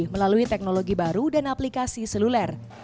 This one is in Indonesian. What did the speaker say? melalui teknologi baru dan aplikasi seluler